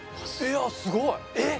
すごい！えっ？